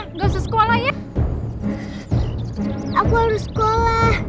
anda tidak boleh keluar